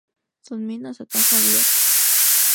Son minas a tajo abierto.